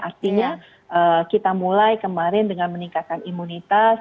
artinya kita mulai kemarin dengan meningkatkan imunitas